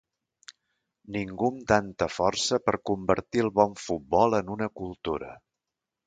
Ningú amb tanta força per convertir el bon futbol en una cultura.